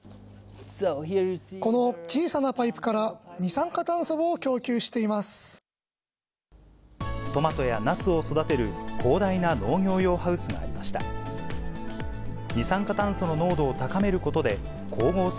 この小さなパイプから、二酸化炭素を供給しています。